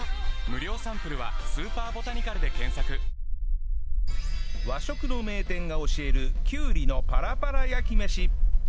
ニトリ和食の名店が教えるきゅうりのパラパラ焼き飯